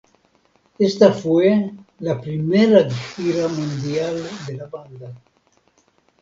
Esta fue la primera gira mundial de la banda.